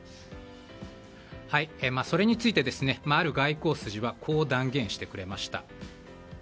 それについて、ある外交筋はこう断言してくれました。